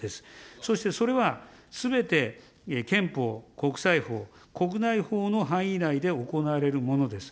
そしてそれは、すべて憲法、国際法、国内法の範囲内で行われるものです。